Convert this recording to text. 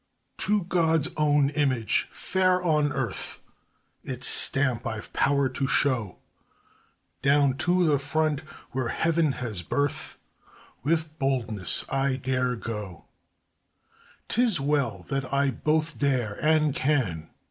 To God's own image fair on earth Its stamp I've power to show; Down to the front, where heaven has birth With boldness I dare go. 'Tis well that I both dare and can!